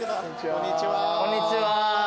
こんにちは。